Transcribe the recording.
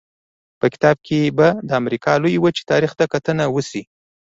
په کتاب کې به د امریکا لویې وچې تاریخ ته کتنه وشي.